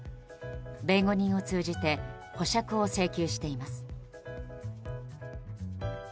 弁護人を通じて保釈を請求しています。